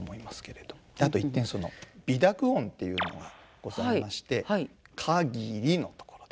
あと一点鼻濁音というのがございまして「かぎり」のところですね。